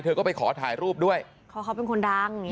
เธอก็ไปขอถ่ายรูปด้วยเพราะเขาเป็นคนดัง